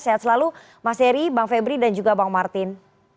sehat selalu mas heri bang febri dan juga bang martin